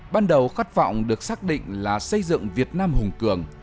ban đầu khát vọng được xác định là xây dựng việt nam hùng cường